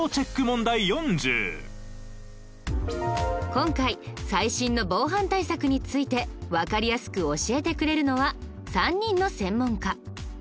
今回最新の防犯対策についてわかりやすく教えてくれるのは３人の専門家。